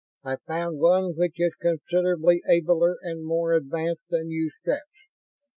I found one which is considerably abler and more advanced than you Stretts.